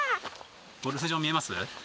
ゴルフ場見えます？